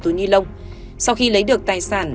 túi nhi lông sau khi lấy được tài sản